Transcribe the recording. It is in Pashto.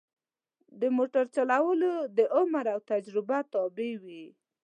د موټر چلول د عمر او تجربه تابع وي.